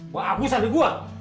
wah gua abu sambil gua